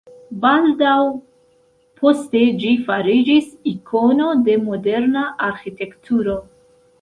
Baldaŭ poste ĝi fariĝis ikono de moderna arĥitekturo.